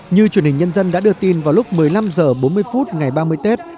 như truyền hình nhân dân đã đưa tin vào lúc một mươi năm h bốn mươi phút ngày ba mươi tết